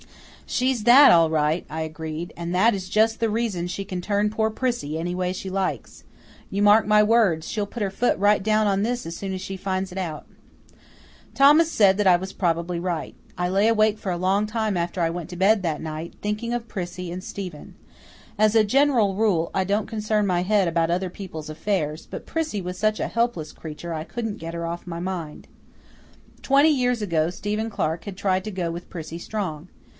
"She's that, all right," I agreed, "and that is just the reason she can turn poor Prissy any way she likes. You mark my words, she'll put her foot right down on this as soon as she finds it out." Thomas said that I was probably right. I lay awake for a long time after I went to bed that night, thinking of Prissy and Stephen. As a general rule, I don't concern my head about other people's affairs, but Prissy was such a helpless creature I couldn't get her off my mind. Twenty years ago Stephen Clark had tried to go with Prissy Strong.